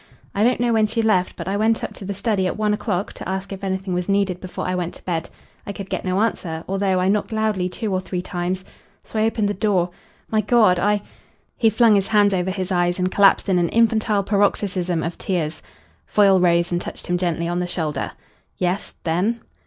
I don't know when she left, but I went up to the study at one o'clock to ask if anything was needed before I went to bed. I could get no answer, although I knocked loudly two or three times; so I opened the door. My God! I..." He flung his hands over his eyes and collapsed in an infantile paroxysm of tears. Foyle rose and touched him gently on the shoulder. "Yes, then?"